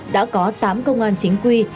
đã có tám công an chính quy